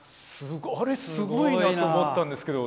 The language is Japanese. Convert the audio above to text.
あれすごいなと思ったんですけど。